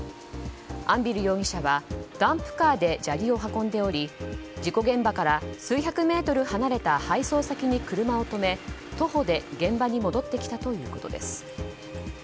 安蒜容疑者はダンプカーで砂利を運んでおり事故現場から数百メートル離れた配送先に車を止め、徒歩で現場に戻ってきたということです。